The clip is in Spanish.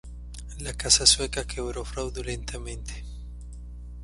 La casa sueca quebró fraudulentamente.